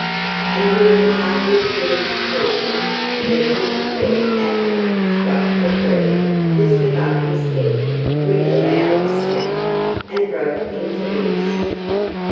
And he had hardly finished speaking when a big red apple struck the tree just above his head with a loud smack and broke into bits.